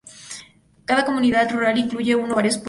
Cada comunidad rural incluye uno o varios pueblos.